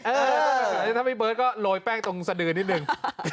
เออถ้าไม่เปิดก็โรยแป้งตรงสะดือนิดนึง